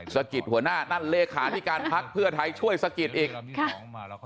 สะกิดหัวหน้านั่นเลขาธิการพักเพื่อไทยช่วยสะกิดอีก